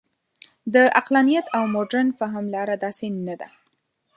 د عقلانیت او مډرن فهم لاره داسې نه ده.